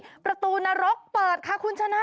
ประตูนรกเปิดค่ะคุณชนะ